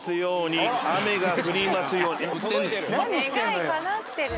願いかなってる。